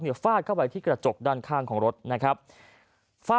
ฟาดเข้าไปที่กระจกด้านข้างของรถนะครับฝ้า